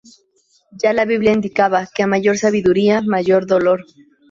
Ya la Biblia indicaba que "A mayor sabiduría, mayor dolor".